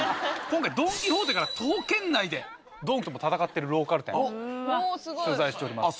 今回「ドン・キホーテ」から徒歩圏内で「ドンキ」と戦ってるローカル店取材しております。